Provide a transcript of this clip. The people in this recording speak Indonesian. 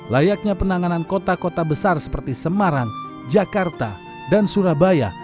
layaknya penanganan kota kota besar seperti semarang jakarta dan surabaya